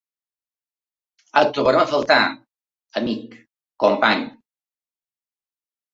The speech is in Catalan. Et trobarem a faltar, amic, company.